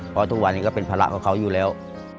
เพราะทุกวันนี้ก็เป็นภาระของเขาอยู่แล้ว